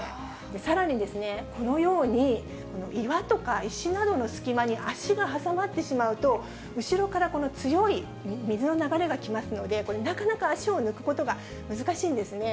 さらにこのように、岩とか石などの隙間に足が挟まってしまうと、後ろから強い水の流れが来ますので、これ、なかなか足を抜くことが難しいんですね。